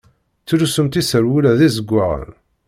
Ttlussunt iserwula d izeggaɣen.